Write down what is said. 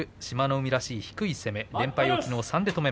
海らしい低い攻め。